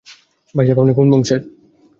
ভাই সাব, আপনি কোন বংশের?